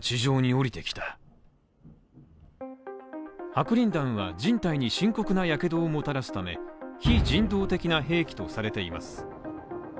白リン弾は人体に深刻なやけどをもたらすため非人道的な兵器とされています。